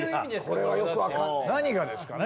これ何がですかね？